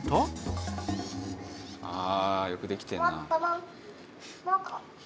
ああよくできてるな。